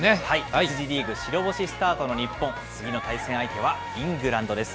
１次リーグ、白星スタートの日本、次の対戦相手はイングランドです。